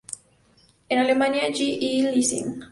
En Alemania, G. E. Lessing.